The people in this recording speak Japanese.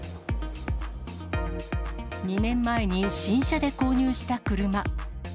２年前に新車で購入した車。